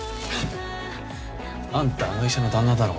あんたあの医者の旦那だろ？